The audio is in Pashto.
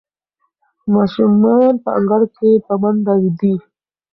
ماشومان په انګړ کې په منډو دي.